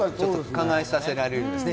考えさせられます。